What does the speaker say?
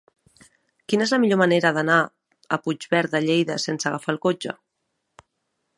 Quina és la millor manera d'anar a Puigverd de Lleida sense agafar el cotxe?